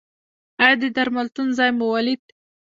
ایا د درملتون ځای مو ولید؟